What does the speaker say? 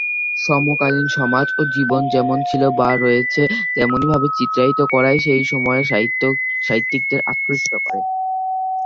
সমকালীন সমাজ ও জীবন যেমন ছিলো বা রয়েছে তেমনিভাবে চিত্রায়িত করাই সেই সময়ের সাহিত্যিকদের আকৃষ্ট করে।